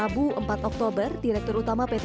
bbm dan lpg